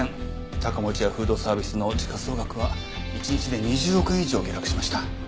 高持屋フードサービスの時価総額は一日で２０億円以上下落しました。